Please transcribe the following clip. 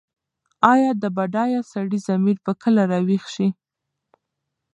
ایا د بډایه سړي ضمیر به کله راویښ شي؟